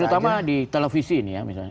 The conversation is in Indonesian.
terutama di televisi ini ya misalnya